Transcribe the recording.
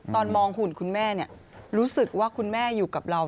ตอนมองหุ่นคุณแม่รู้สึกว่าคุณแม่อยู่กับเรา